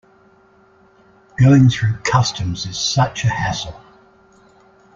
Going through customs is such a hassle.